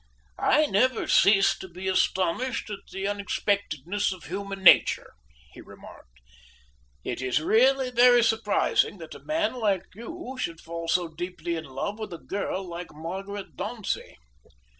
"I never cease to be astonished at the unexpectedness of human nature," he remarked. "It is really very surprising that a man like you should fall so deeply in love with a girl like Margaret Dauncey."